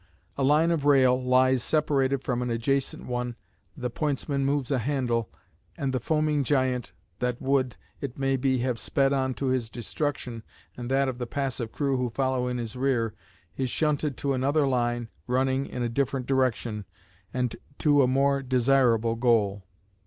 A line of rail lies separated from an adjacent one, the pointsman moves a handle, and the foaming giant, that would, it may be, have sped on to his destruction and that of the passive crew who follow in his rear, is shunted to another line running in a different direction and to a more desirable goal.